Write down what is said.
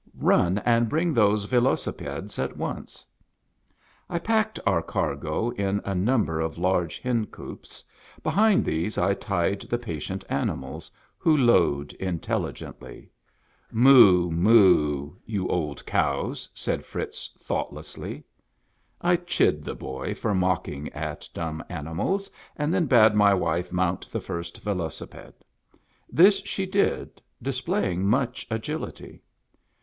" Run and bring those velocipedes at once." I packed our cargo in a number of large hencoops. Behind these I tied the patient animals, who lowed intelligently. " Moo ! moo ! you old cows !" said Fritz, thought lessly. I chid the boy for mocking at dumb animals, and then bade my wife mount the first velocipede. This she did, displaying much agility.